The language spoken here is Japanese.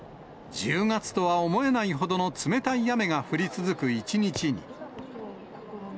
１０月とは思えないほどの冷たい雨が降り続く一日に。